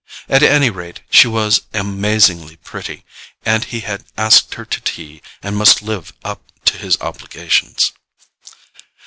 At any rate, she was amazingly pretty, and he had asked her to tea and must live up to his obligations.